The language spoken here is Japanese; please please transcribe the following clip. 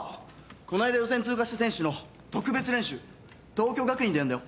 こないだ予選通過した選手の特別練習桃郷学院でやんだよ。